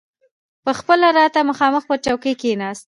پخپله راته مخامخ پر چوکۍ کښېناست.